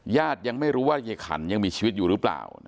ยังไม่รู้ว่ายายขันยังมีชีวิตอยู่หรือเปล่า